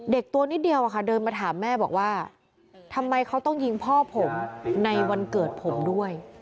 ตัวนิดเดียวอะค่ะเดินมาถามแม่บอกว่าทำไมเขาต้องยิงพ่อผมในวันเกิดผมด้วย